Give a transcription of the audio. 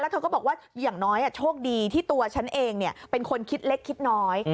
เธอก็บอกว่าอย่างน้อยโชคดีที่ตัวฉันเองเป็นคนคิดเล็กคิดน้อย